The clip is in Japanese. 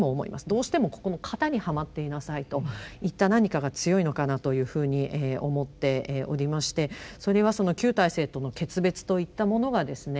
どうしてもここの型にはまっていなさいといった何かが強いのかなというふうに思っておりましてそれは旧体制との決別といったものがですね